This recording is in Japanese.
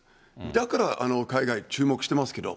だから海外、注目してますけど。